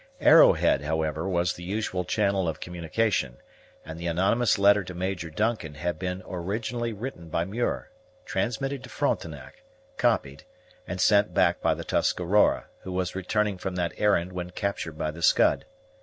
Arrowhead, however, was the usual channel of communication; and the anonymous letter to Major Duncan had been originally written by Muir, transmitted to Frontenac, copied, and sent back by the Tuscarora, who was returning from that errand when captured by the Scud.